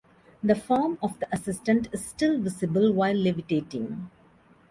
The form of the assistant is still visible while levitating.